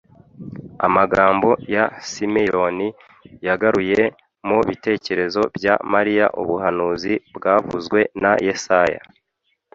. Amagambo ya Simeyoni yagaruye mu bitekerezo bya Mariya ubuhanuzi bwavuzwe na Yesaya